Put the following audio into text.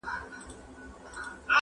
هره شپه به وي خپړي په نوکرځو،